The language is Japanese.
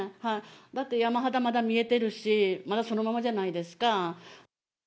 だって山肌、まだ見えてるし、まだそのままじゃないですか。